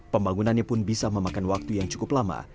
pembangunannya pun bisa memakan waktu yang cukup lama